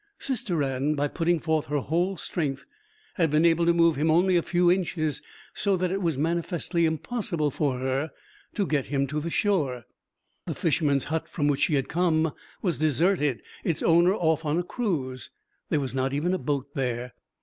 Sister Anne, by putting forth her whole strength, had been able to move him only a few inches so that it was manifestly impossible for her to get him to the shore. The fisherman's hut from which she had just come was deserted, its owner off on a cruise; there was not even a boat there.